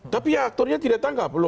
tapi ya aktornya tidak tangkap